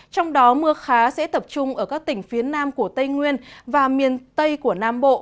trong đó mưa khá sẽ tập trung ở các tỉnh phía nam của tây nguyên và miền tây của nam bộ